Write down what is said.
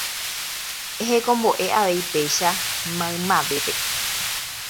Ehekombo'e avei péicha maymavépe